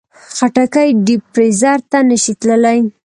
خټکی ډیپ فریزر ته نه شي تللی.